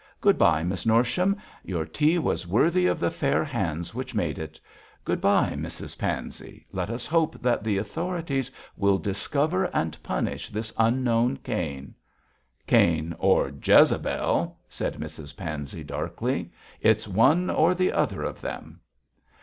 Good bye, Miss Norsham; your tea was worthy of the fair hands which made it. Good bye, Mrs Pansey. Let us hope that the authorities will discover and punish this unknown Cain.' 'Cain or Jezebel,' said Mrs Pansey, darkly, 'it's one or the other of them.'